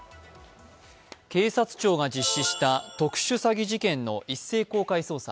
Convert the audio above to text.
警察庁が実施した特殊詐欺事件の一斉捜査。